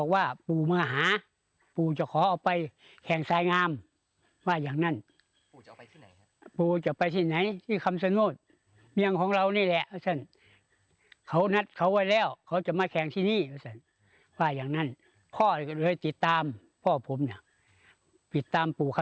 ว่าเป็นอะไรหาหมอทำหมอยังไม่ดู